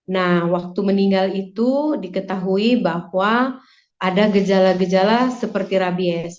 nah waktu meninggal itu diketahui bahwa ada gejala gejala seperti rabies